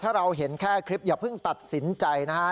ถ้าเราเห็นแค่คลิปอย่าเพิ่งตัดสินใจนะฮะ